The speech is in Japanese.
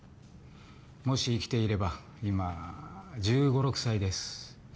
もし生きていれば今１５１６歳です。